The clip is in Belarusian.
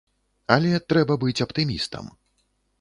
Але трэба быць аптымістам.